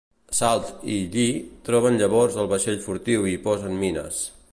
Salt i Lli troben llavors el vaixell furtiu i hi posen mines.